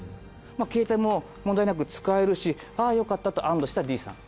ケータイも問題なく使えるしあぁよかったと安堵したＤさん。